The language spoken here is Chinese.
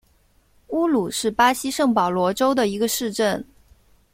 乌鲁是巴西圣保罗州的一个市镇。